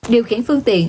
điều khiển phương tiện